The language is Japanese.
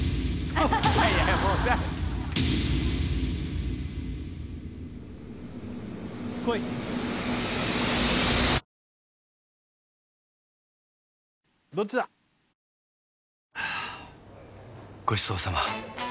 はぁごちそうさま！